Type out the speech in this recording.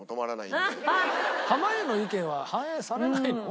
濱家の意見は反映されないの？